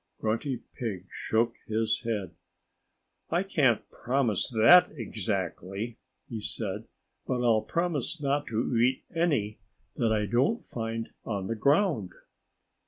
Grunty Pig shook his head. "I can't promise that, exactly," he said. "But I'll promise not to eat any that I don't find on the ground."